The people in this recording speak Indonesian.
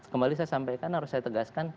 kembali saya sampaikan harus saya tegaskan